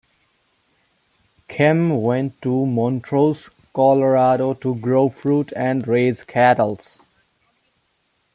Kem went to Montrose, Colorado to grow fruit and raise cattle.